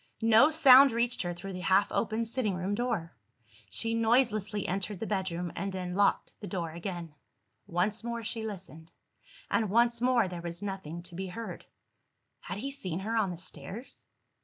No sound reached her through the half open sitting room door. She noiselessly entered the bedroom, and then locked the door again. Once more she listened; and once more there was nothing to be heard. Had he seen her on the stairs?